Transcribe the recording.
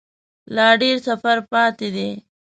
لا ډیر سفر پاته دی